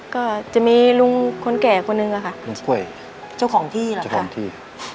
ก็จะมีลุงคนแก่คนนึงอะค่ะลุงกล้วยเจ้าของที่เหรอเจ้าของที่